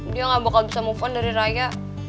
dia gak bakal bisa move on dari raya